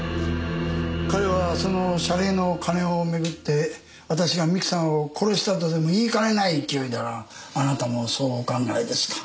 彼はその謝礼の金を巡って私が三木さんを殺したとでも言いかねない勢いだがあなたもそうお考えですか？